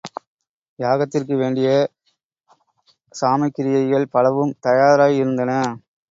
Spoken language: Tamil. யாகத்திற்கு வேண்டிய சாமக்கிரியைகள் பலவும் தயாராயிருந்தன.